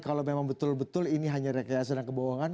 kalau memang betul betul ini hanya rekayasa dan kebohongan